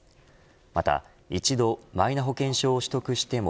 また一度マイナ保険証を取得しても